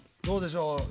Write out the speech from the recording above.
どうでしょう？